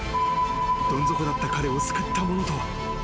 どん底だった彼を救ったものとは。